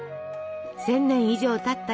１，０００年以上たった